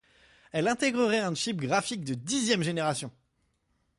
Elle intégrerait un chip graphique de dixième génération.